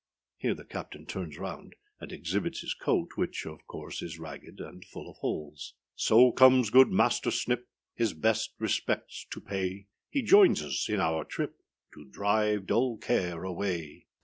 Here the CAPTAIN turns round and exhibits his coat, which, of course, is ragged, and full of holes. So comes good master Snip, His best respects to pay: He joins us in our trip To drive dull care away.